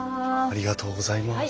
ありがとうございます。